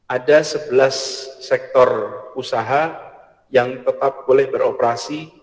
ada sebelas sektor usaha yang tetap boleh beroperasi